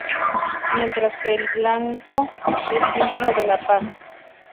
Mientras que el 'Blanco' es símbolo de la Paz.